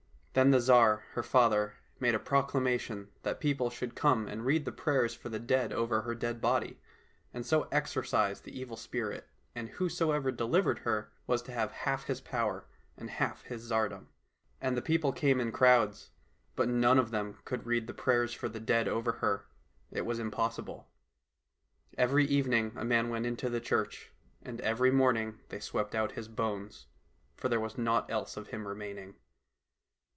Then the Tsar, her father, made a proclamation that people should come and read the prayers for the dead over her dead body, and so exorcise the evil spirit, and whosoever delivered her was to have half his power and half his tsardom. And the people came in crowds — but none of them could read the prayers for the dead over her, it was impossible. Every evening a man went into the church, and every morning they swept out his bones, for there was naught else of him remaining.